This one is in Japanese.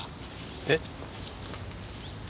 えっ？